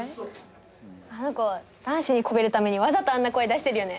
あの子男子にこびるためにわざとあんな声出してるよね。